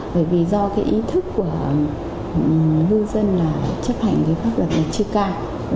bởi vì do cái ý thức của ngư dân là chấp hành cái pháp luật này chưa cao